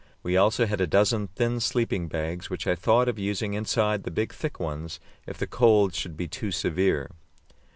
We also had a dozen thin sleeping bags, which I thought of using inside the big thick ones if the cold should be too severe.